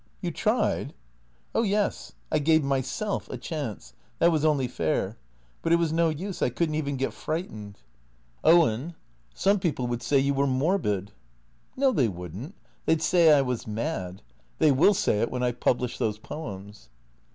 " You tried ?"" Oh, yes, I gave myself a chance. That was only fair. But it was no use. I could n't even get frightened." " Owen — some people would say you were morbid." " iSTo, they would n't. They 'd say I was mad. They will say it when I 've published those poems."